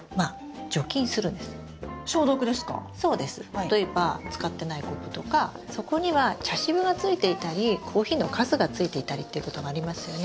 例えば使ってないコップとか底には茶渋がついていたりコーヒーのカスがついていたりっていうことがありますよね。